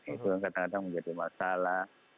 itu yang kadang kadang menjadi masalah